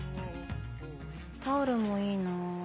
タオルもいいなぁ。